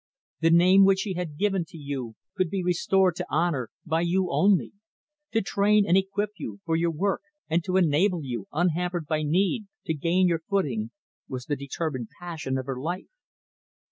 The name which she had given to you could be restored to honor by you only. To train and equip you for your work, and to enable you, unhampered by need, to gain your footing, was the determined passion of her life.